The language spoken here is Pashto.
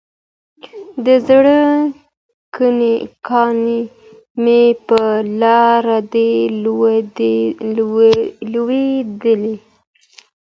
د زړه كاڼى مي پر لاره دى لــوېـدلى